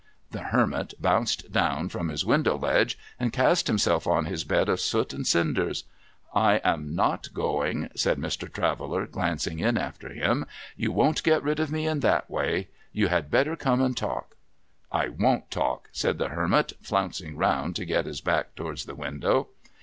The Hermit bounced down from his window ledge, and cast himself on his bed of soot and cinders. ' I am not going,' said Mr. Traveller, glancing in after him ;' you won't get rid of me in that way. You had better come and talk.' ' I won't talk,' said the Hermit, flouncing round to get his back towards the window.